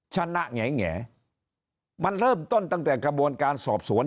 ชนะแหงมันเริ่มต้นตั้งแต่กระบวนการสอบสวน